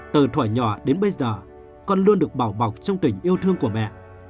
từ thỏa nhỏ đến bây giờ con luôn được bảo bọc trong tình yêu thương của mẹ